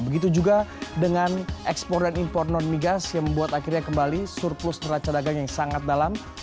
begitu juga dengan ekspor dan impor non migas yang membuat akhirnya kembali surplus neraca dagang yang sangat dalam